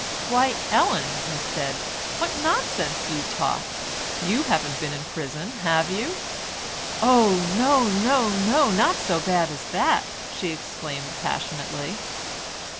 "Why, Ellen," said he, "what nonsense you talk; you haven't been in prison, have you?" "Oh, no, no, no, not so bad as that," she exclaimed passionately.